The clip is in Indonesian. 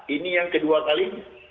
ini yang kedua kali